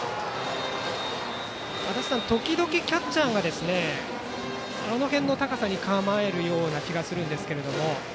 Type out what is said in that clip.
足達さん、時々キャッチャーがあの辺の高さに構えるような気がしますが。